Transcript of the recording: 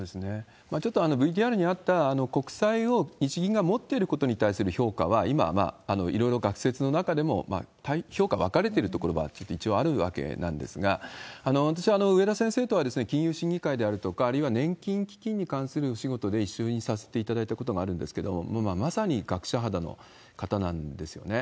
ちょっとＶＴＲにあった、国債を日銀が持っていることに対する評価は今はいろいろ学説の中でも評価分かれているところは一応あるわけなんですが、私は植田先生とは金融審議会であるとか、あるいは年金基金に関するお仕事で一緒にさせていただいたことがあるんですけれども、まさに学者肌の方なんですよね。